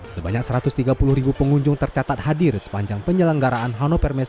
sebanyak satu ratus tiga puluh pengunjung tercatat hadir sepanjang penyelenggaraan hanover mese dua ribu dua puluh tiga